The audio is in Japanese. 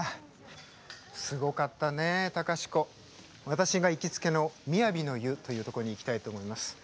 私が行きつけの雅の湯というところに行きたいと思います。